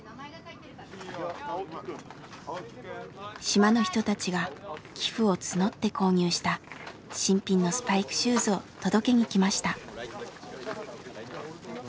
島の人たちが寄付を募って購入した新品のスパイクシューズを届けにきました。